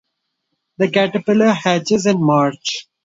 The caterpillar hatches in March.